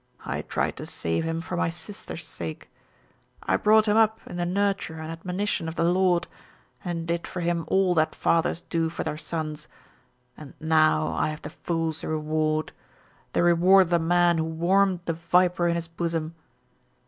I tried to save him for my sister's sake. I brought him up in the nurture and admonition of the Lord, and did for him all that fathers do for their sons, and now I have the fool's reward the reward of the man who warmed the viper in his bosom.